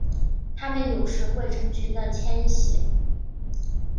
它们有时会成群的迁徙。